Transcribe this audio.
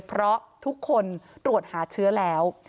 เพราะทุกคนตรวจหาเชื้อแล้ว